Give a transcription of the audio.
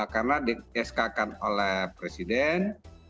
karena di sk kan oleh presiden